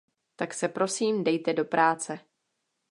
Tak se, prosím, dejte do práce!